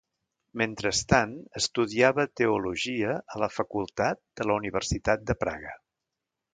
Mentrestant, estudiava teologia a la facultat de la Universitat de Praga.